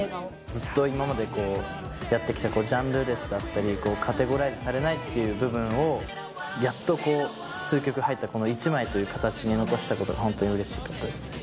ずっと今までやってきたジャンルレスだったり、カテゴライズされないっていう部分を、やっとこう、数曲入ったこの１枚という形に残したことが本当にうれしいことですね。